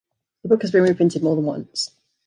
The book has been reprinted more than once.